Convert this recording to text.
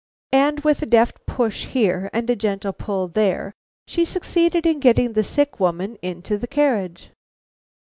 And with a deft push here and a gentle pull there, she succeeded in getting the sick woman into the carriage.